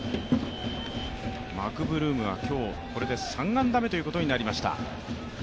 マクブルームは今日、３安打目ということになりました。